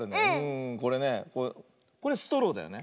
これねこれストローだよね。